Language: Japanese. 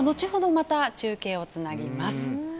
また中継をつなぎます。